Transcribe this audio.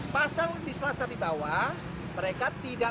pasang di selasar yang dibawah